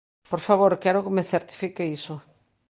Por favor, quero que me certifique iso.